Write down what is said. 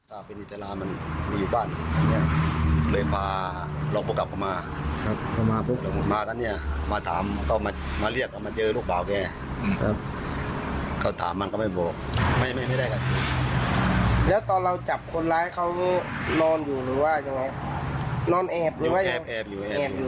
แล้วตอนเราจับคนร้ายเขานอนอยู่หรือว่าจะนอนแอบหรือว่าแอบแอบอยู่แอบ